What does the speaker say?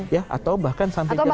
ya atau bahkan sampai jam lima jam empat